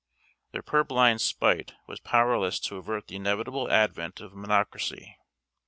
Their purblind spite was powerless to avert the inevitable advent of monocracy.